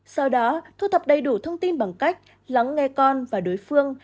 sau đó thu thập đầy đủ thông tin bằng cách lắng nghe con và đối phương